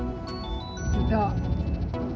いた！